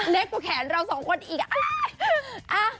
เล็กกว่าแขนเราสองคนอีกอะไร